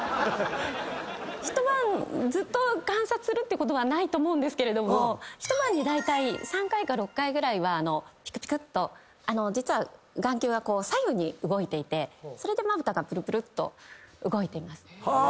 ⁉一晩ずっと観察するってことはないと思うんですけれども一晩にだいたい３回か６回ぐらいはピクピクッと実は眼球が左右に動いていてそれでまぶたがぷるぷるっと動いています。